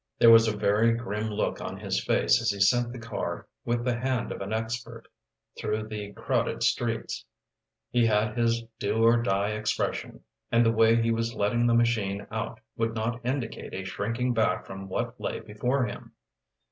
There was a very grim look on his face as he sent the car, with the hand of an expert, through the crowded streets. He had his do or die expression, and the way he was letting the machine out would not indicate a shrinking back from what lay before him.